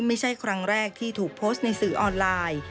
ไม่ใช่ครั้งแรกที่ถูกโพสต์ในสื่อออนไลน์